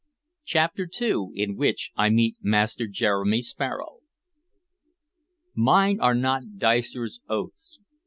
CHAPTER II IN WHICH I MEET MASTER JEREMY SPARROW MINE are not dicers' oaths.